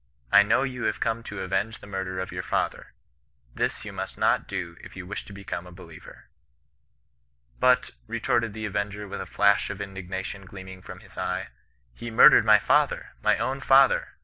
* I know you have come to avenge the murder of your father ; this you must not do if you wish to become a believer.' * But,' retorted the avenger with a flash of indignation gleaming from his eye, * he murdered my father, my own father